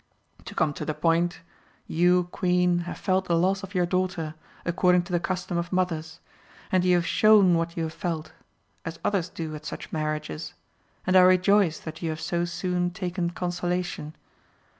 To come to the point, you queen have felt the loss of your daughter, according to the custom of mothers, and you have shown what you have felt, as others do at such marriages, and I rejoice that you have so soon taken consolation.